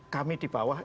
kami di bawah